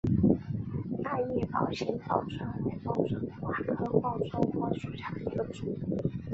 大叶宝兴报春为报春花科报春花属下的一个种。